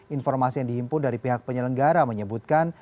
informasi yang dihimpun dari pihak penyelenggara menyebutkan